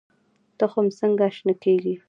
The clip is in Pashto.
تخم څنګه شنه کیږي؟